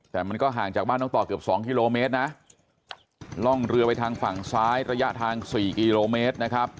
แต่มันก็ห่างจากบ้านน้องต่อเกือบ๒กิโลเมตรนะล่องเรือไปทางฝั่งซ้ายระยะทาง๔กิโลเมตรนะครับ